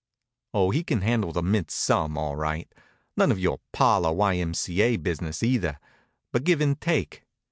Oh, he can handle the mitts some, all right; none of your parlor Y. M. C. A. business, either, but give and take.